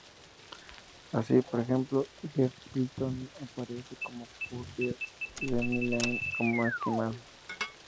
Así, por ejemplo, Geoff Britton aparece como crupier, y Denny Laine como esquimal.